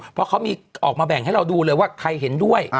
เพราะเขามีออกมาแบ่งให้เราดูเลยว่าใครเห็นด้วย